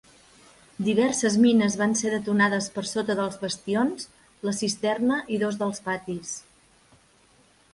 Diverses mines van ser detonades per sota dels bastions, la cisterna i dos dels patis.